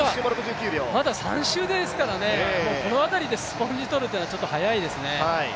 まだ３周ですからね、このあたりでスポンジ取るというのはちょっと早いですね。